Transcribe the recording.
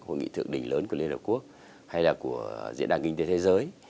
hội nghị thượng đỉnh lớn của liên hợp quốc hay là của diễn đàn kinh tế thế giới